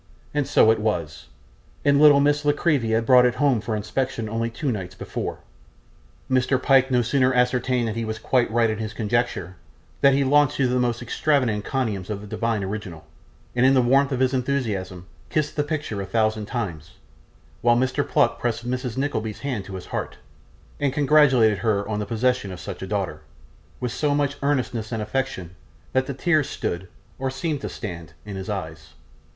And so it was. And little Miss La Creevy had brought it home for inspection only two nights before. Mr. Pyke no sooner ascertained that he was quite right in his conjecture, than he launched into the most extravagant encomiums of the divine original; and in the warmth of his enthusiasm kissed the picture a thousand times, while Mr. Pluck pressed Mrs. Nickleby's hand to his heart, and congratulated her on the possession of such a daughter, with so much earnestness and affection, that the tears stood, or seemed to stand, in his eyes.